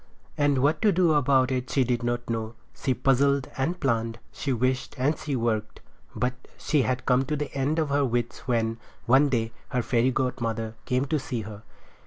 And what to do about it she did not know. She puzzled and planned, she wished and she worked, but she had come to the end of her wits when, one day, her fairy godmother came to see her.